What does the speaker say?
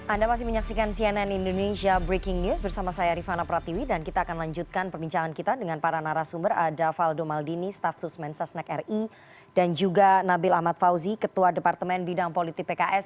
anda masih menyaksikan cnn indonesia breaking news bersama saya rifana pratiwi dan kita akan lanjutkan perbincangan kita dengan para narasumber ada faldo maldini staf susmen sasnek ri dan juga nabil ahmad fauzi ketua departemen bidang politik pks